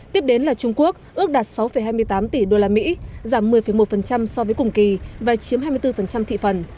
tiếp đến là trung quốc ước đạt sáu hai mươi tám tỷ usd giảm một mươi một so với cùng kỳ và chiếm hai mươi bốn thị phần